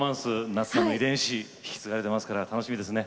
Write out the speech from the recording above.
夏さんの遺伝子引き継がれてますから楽しみですね。